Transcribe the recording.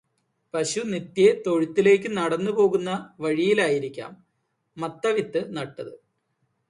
പശു നിത്യേന തൊഴുത്തിലേക്ക് നടന്നുപോകുന്ന വഴിയിലായിരിക്കാം മത്തവിത്ത് നട്ടത്.